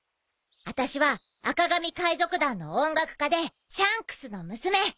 あたしは赤髪海賊団の音楽家でシャンクスの娘。